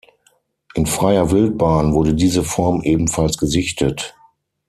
In freier Wildbahn wurde diese Form ebenfalls gesichtet.